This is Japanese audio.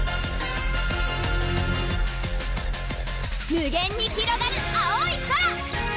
無限にひろがる青い空！